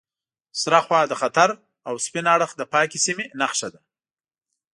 سره خوا د خطر او سپین اړخ د پاکې سیمې نښه ده.